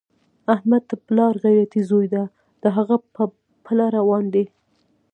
احمد د پلار غیرتي زوی دی، د هغه په پله روان دی.